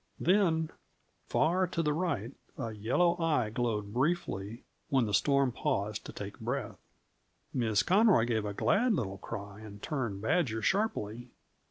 Then, far to the right, a yellow eye glowed briefly when the storm paused to take breath. Miss Conroy gave a glad little cry and turned Badger sharply.